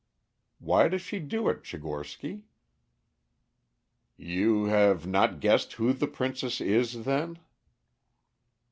Why does she do it, Tchigorsky?" "You have not guessed who the Princess is, then?"